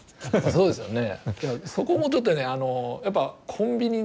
そうですね。